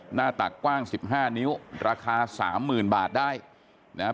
หน้าตักกว้าง๑๕นิ้วราคา๓๐๐๐๐บาทได้นะฮะ